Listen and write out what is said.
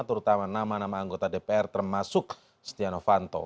terutama nama nama anggota dpr termasuk stiano fanto